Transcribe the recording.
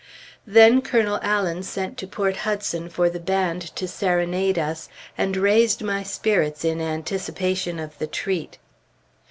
Then Colonel Allen sent to Port Hudson for the band to serenade us, and raised my spirits in anticipation of the treat.